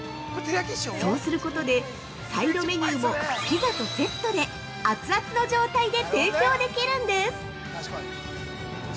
そうすることでサイドメニューもピザとセットで熱々の状態で提供できるんです。